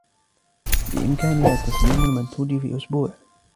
بإمكاننا تسليم المنتوج في أسبوع.